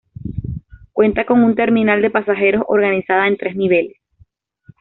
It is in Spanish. Cuenta con una terminal de pasajeros organizada en tres niveles.